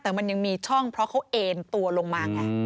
แต่มันยังมีช่องเพราะเขาเอ็นตัวลงมาไง